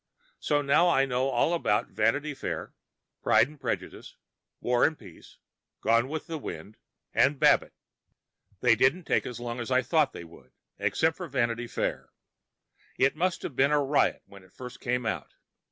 So now I know all about Vanity Fair, Pride and Prejudice, War and Peace, Gone with the Wind, and Babbitt. They didn't take as long as I thought they would, except for Vanity Fair. It must have been a riot when it first came out.